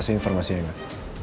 makasih informasinya enggak